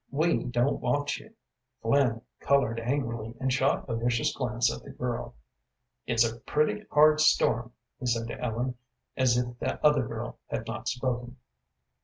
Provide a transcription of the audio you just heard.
We don't want you." Flynn colored angrily and shot a vicious glance at the girl. "It's a pretty hard storm," he said to Ellen, as if the other girl had not spoken.